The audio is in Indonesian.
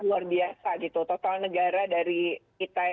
luar biasa gitu total negara dari kita